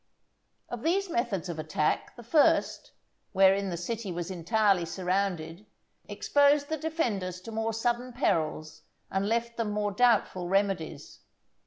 Of these methods of attack, the first, wherein the city was entirely surrounded, exposed the defenders to more sudden perils and left them more doubtful remedies.